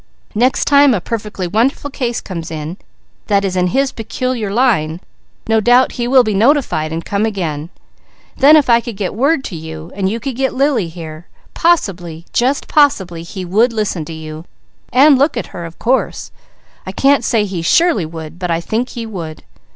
Next time a perfectly wonderful case comes in, that is in his peculiar line, no doubt he will be notified and come again. Then if I could get word to you, and you could get Lily here, possibly just possibly he would listen to you and look at her of course I can't say surely he would but I think he would!"